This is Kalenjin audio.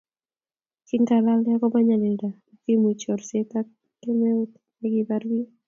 king'alale akobo nyalilda, ukimwi, chorset ak kemeut ne kibar biik